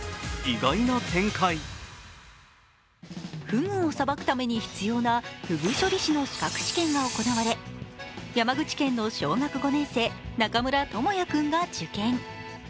ふぐをさばくために必要なふぐ処理師の資格試験が行われ山口県の小学５年生、中村智弥君が受験。